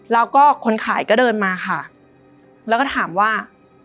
แล้วก็คนขายก็เดินมาค่ะแล้วก็ถามว่า